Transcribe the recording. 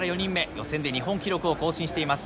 予選で日本記録を更新しています。